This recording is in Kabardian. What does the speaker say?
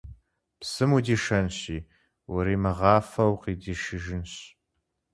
Псым удишэнщи, уримыгъафэу укъыдишыжынщ.